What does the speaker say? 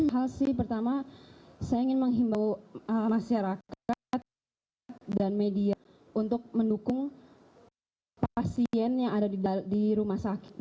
hal sih pertama saya ingin menghimbau masyarakat dan media untuk mendukung pasien yang ada di rumah sakit